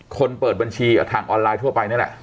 เปิดบัญชีทางออนไลน์ทั่วไปนี่แหละ